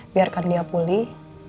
biarkan dia pulih